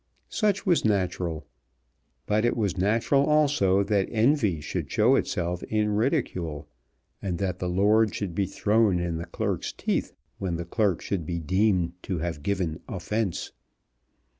Such was natural; but it was natural also that envy should show itself in ridicule, and that the lord should be thrown in the clerk's teeth when the clerk should be deemed to have given offence.